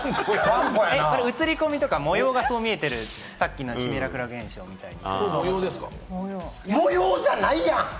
映り込みとか、模様がそう見えてる、さっきのシミュラクラ現象みたいに。